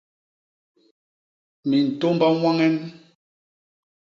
Mintômba ñwañen?